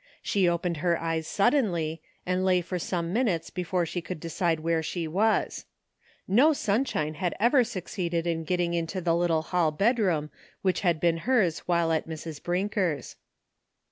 She opened her eyes suddenly, and lay for some minutes before she could decide where she was. No sunshine had ever succeeded in getting into the little hall bedroom which had been hers while at Mrs. Brinker's.